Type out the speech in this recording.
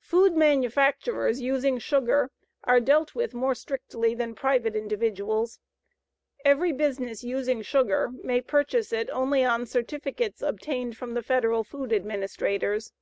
Food manufacturers using sugar are dealt with more strictly than private individuals. Every business using sugar may purchase it only on certificates obtained from the Federal Food Administrators.